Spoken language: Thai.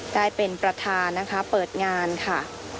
ได้เป็นประธานนะคะเปิดงานค่ะ